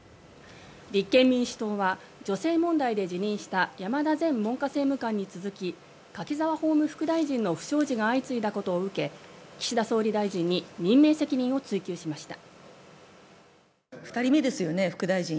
立憲民主党は女性問題で辞任した山田前文科政務官に続き柿沢法務副大臣の不祥事が相次いだことを受け岸田総理大臣に任命責任を追及しました。